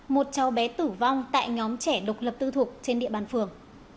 một cháu bé tử vong tại nhóm trẻ độc lập tư thục trên địa bàn phường